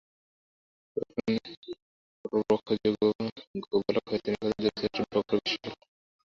পরব্রহ্ম যে গোপবালক হয়েছেন, এ-কথা দেবশ্রেষ্ঠ ব্রহ্মার বিশ্বাস হল না।